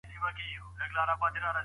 نوښتګر اوسئ ترڅو په ژوند کي بریالي سئ.